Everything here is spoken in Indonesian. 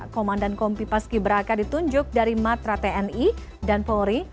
komandan kompi paskiberaka ditunjuk dari matra tni dan polri